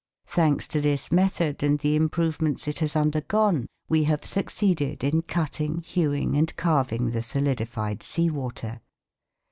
Thanks to this method and the improvements it has undergone we have succeeded in cutting, hewing and carving the solidified sea water.